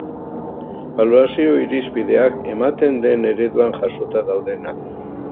Balorazio-irizpideak, ematen den ereduan jasota daudenak.